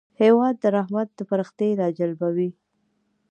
هېواد د رحمت پرښتې راجلبوي.